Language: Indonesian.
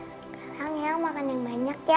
sekarang ya makan yang banyak ya